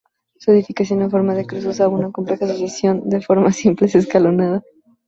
Su edificación en forma de cruz usaba una compleja sucesión de formas simples escalonadas.